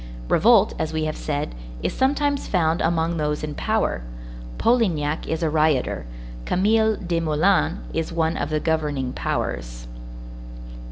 Revolt, as we have said, is sometimes found among those in power. Polignac is a rioter; Camille Desmoulins is one of the governing powers.